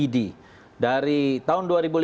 id dari tahun dua ribu lima belas